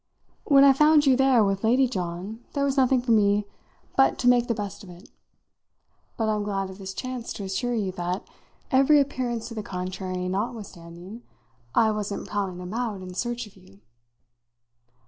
When I found you there with Lady John there was nothing for me but to make the best of it; but I'm glad of this chance to assure you that, every appearance to the contrary notwithstanding, I wasn't prowling about in search of you."